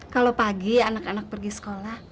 kalau pagi anak anak pergi sekolah